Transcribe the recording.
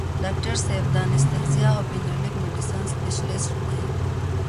ډاکټر صېب دانستهزيا او پين ريليف ميډيسن سپيشلسټ دے ۔